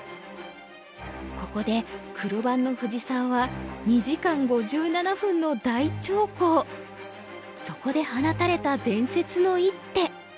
ここで黒番の藤沢はそこで放たれた伝説の一手。